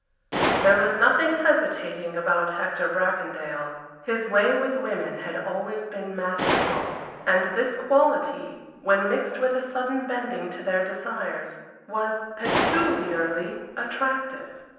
There was nothing hesitating about Hector Bracondale his way with women had always been masterful and this quality, when mixed with a sudden bending to their desires, was peculiarly attractive.